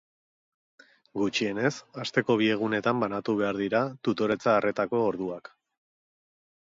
Gutxienez asteko bi egunetan banatu behar dira tutoretza-arretako orduak.